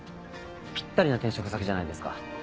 ピッタリな転職先じゃないですか。